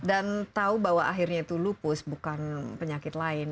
dan tahu bahwa akhirnya itu lupus bukan penyakit lain